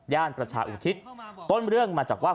ประชาอุทิศต้นเรื่องมาจากว่า